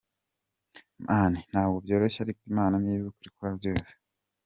Man ntabwo byoroshye ariko Imana niyo izi ukuri kwa byose.